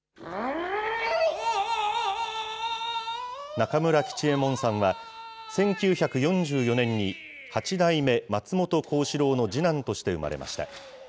中村吉右衛門さんは、１９４４年に八代目松本幸四郎の次男として生まれました。